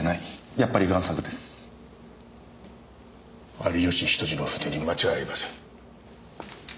有吉比登治の筆に間違いありません。